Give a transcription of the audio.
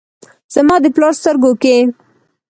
زما د پلار سترګو کې ،